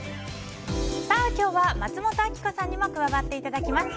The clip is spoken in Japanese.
今日は松本明子さんにも加わっていただきます。